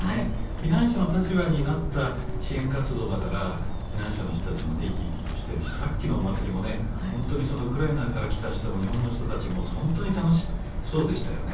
避難者の立場になった支援活動だから避難者の人たちも生き生きしているしさっきのお祭りも本当にウクライナから来た人たち日本の人たちも本当に楽しそうでしたよね。